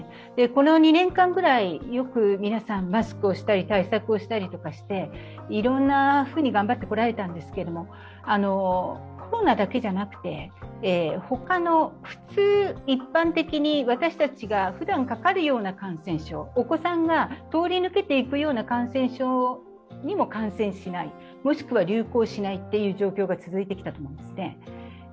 この２年間ぐらい、よく皆さんマスクをしたり、対策したりとかしていろんなふうに頑張ってこられたんですけど、コロナだけじゃなくて、他の普通一般的に私たちがふだんかかるような感染症、お子さんが通り抜けていくような感染症にも感染しない、もしくは流行しないという状況が続いてきました。